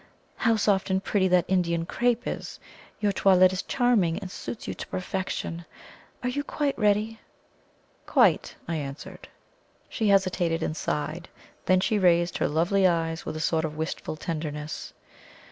How soft and pretty that Indian crepe is! Your toilette is charming, and suits you to perfection. Are you quite ready?" "Quite," I answered. She hesitated and sighed. Then she raised her lovely eyes with a sort of wistful tenderness.